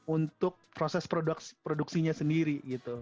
untuk proses produksinya sendiri